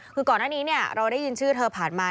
คือก่อนหน้านี้เราได้ยินชื่อเธอผ่านมา